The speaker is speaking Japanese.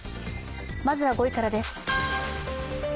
まずは５位からです。